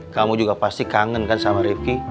kamu juga pasti kangen kan sama rifki